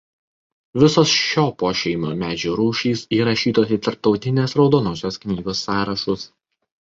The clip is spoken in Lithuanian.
Visos šio pošeimio medžių rūšys įrašytos į Tarptautinės raudonosios knygos sąrašus.